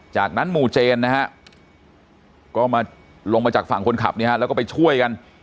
จากนั้นหมู่เจนก็ลงมาจากฝั่งคนขับแล้วก็ไปช่วยกัน